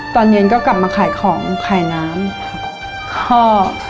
ตอนเย็นก็กลับมาขายของขายน้ำพ่อ